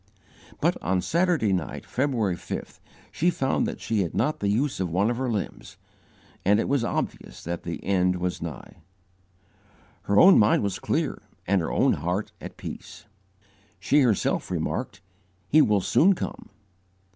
But, on Saturday night, February 5th, she found that she had not the use of one of her limbs, and it was obvious that the end was nigh. Her own mind was clear and her own heart at peace. She herself remarked, "He will soon come."